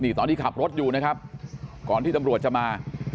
นี่ตอนที่ขับรถอยู่นะครับก่อนที่ตำรวจจะมา